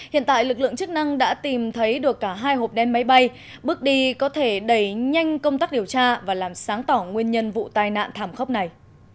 hiện tại lực lượng chức năng đã tìm thấy được cả hai hộp đen máy bay bước đi có thể đẩy nhanh công tác điều tra và làm sáng tỏ nguyên nhân vụ tai nạn thảm khốc này